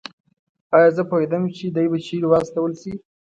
ایا زه پوهېدم چې دی به چېرې واستول شي؟